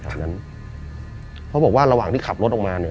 นั้นเขาบอกว่าระหว่างที่ขับรถออกมาเนี่ย